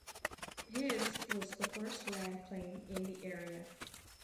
His was the first land claim in the area.